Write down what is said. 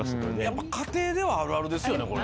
やっぱ家庭ではあるあるですよねこれ。